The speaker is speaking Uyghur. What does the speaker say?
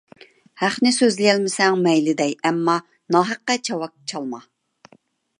ھەقنى سۆزلىيەلمىسەڭ مەيلى دەي، ئەمما ناھەققە چاۋاك چالما!